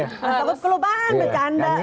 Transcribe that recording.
takut kelupaan bercanda